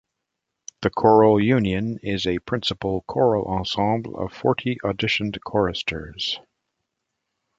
The Choral Union is a principle choral ensemble of forty auditioned choristers.